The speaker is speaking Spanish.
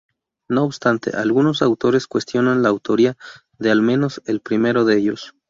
No obstante, algunos autores cuestionan la autoría de al menos el primero de ellos.